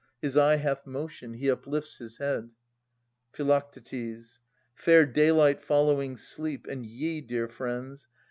His eye hath motion. He uplifts his head. Phi. Fair dayhght following sleep, and ye, dear friends.